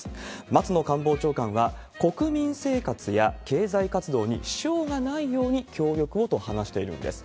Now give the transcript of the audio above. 松野官房長官は、国民生活や経済活動に支障がないように協力をと話しているんです。